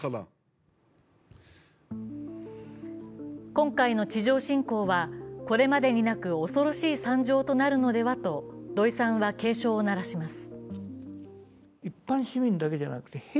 今回の地上侵攻は、これまでになく恐ろしい惨状となるのではと土井さんは警鐘を鳴らします。